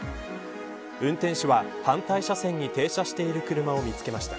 運転手は、反対車線に停車している車を見つけました。